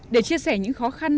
để chia sẻ những khó khăn